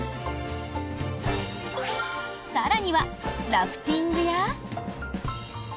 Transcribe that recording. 更にはラフティングや。